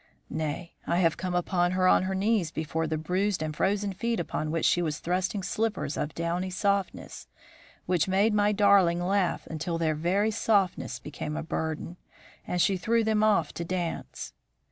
Nay, I have come upon her on her knees before the bruised and frozen feet upon which she was thrusting slippers of downy softness, which made my darling laugh until their very softness became a burden, and she threw them off to dance.